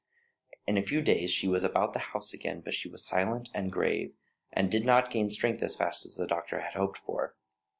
In a few days she was about the house again, but she was silent and grave, and did not gain strength as fast as the doctor had hoped for.